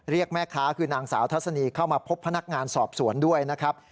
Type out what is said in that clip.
เรียกแม่ค้าคือนางสาวทัศนีเข้ามาพบพนักงานสอบสวนด้วยนะครับ